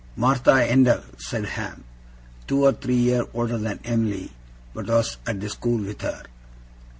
'Martha Endell,' said Ham. 'Two or three year older than Em'ly, but was at the school with her.